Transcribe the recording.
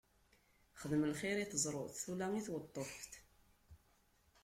Xdem lxiṛ i teẓrut, ula i tweṭṭuft!